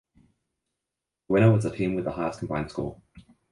The winner was the team with the highest combined score.